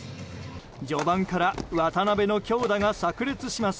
序盤から渡辺の強打が炸裂します。